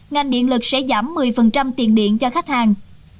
ngành điện lực sẽ giảm một mươi tiền điện cho khách hàng